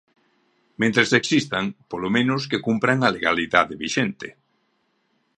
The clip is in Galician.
Mentres existan, polo menos que cumpran a legalidade vixente.